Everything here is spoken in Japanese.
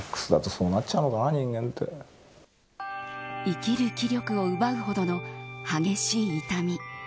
生きる気力を奪うほどの激しい痛み。